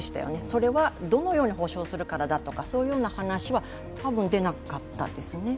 それはどのように補償するからだとかそのような話はたぶん出なかったですよね。